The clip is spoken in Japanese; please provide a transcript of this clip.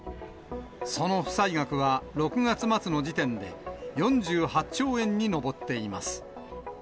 その負債額は６月末の時点で４８兆円に上っています。